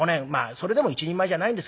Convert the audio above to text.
それでも一人前じゃないんですけど。